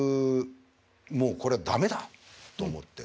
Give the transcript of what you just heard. もうこれ駄目だと思って。